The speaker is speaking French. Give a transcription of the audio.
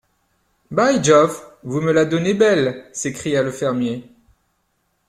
By Jove! vous me la donnez belle ! s’écria le fermier.